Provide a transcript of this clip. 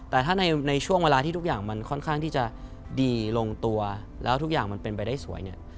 แต่ถ้าในช่วงเวลาที่ทุกอย่างมันค่อนข้างที่จะดีลงตัวแล้วทุกอย่างมันเป็นไปได้สวยเนี่ย